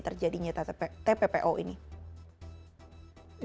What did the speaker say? terjadinya tppo ini